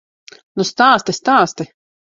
Nu stāsti, stāsti!